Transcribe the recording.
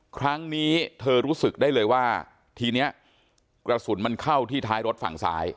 ครั้งนี้เธอรู้สึกได้เลยว่าทีนี้กระสุนมันเข้าที่ท้ายรถฝั่งซ้าย